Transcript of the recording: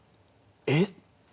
「えっ？